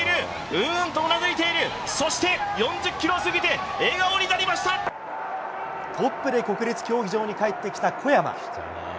うーんとうなづいている、そして、４０キロを過ぎて、笑顔になりまトップで国立競技場に帰ってきた小山。